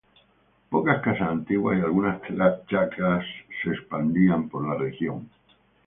Pocas casas antiguas y algunas chacras se expandían por la región.